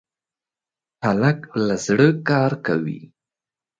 هلک له زړه کار کوي.